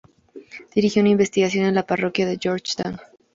Dirigió una investigación en la parroquia en Georgetown.